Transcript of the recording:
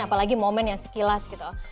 apalagi momen yang sekilas gitu